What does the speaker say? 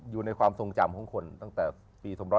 อยู่ในความทรงจำของคนตั้งแต่ปี๑๔๐กลางนะครับ